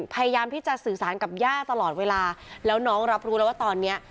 พยายามที่จะสื่อสารกับย่าตลอดเวลาแล้วน้องรับรู้แล้วว่าตอนเนี้ย